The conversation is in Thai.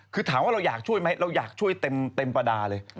คือถามว่าเราอยากช่วยไหมเราอยากช่วยเต็มประดาษเลย